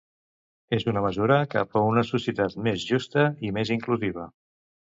És una mesura cap a una societat més justa i més inclusiva.